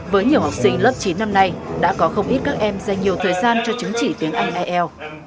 với nhiều học sinh lớp chín năm nay đã có không ít các em dành nhiều thời gian cho chứng chỉ tiếng anh ielts